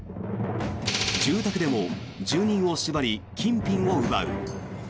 住宅でも住人を縛り金品を奪う。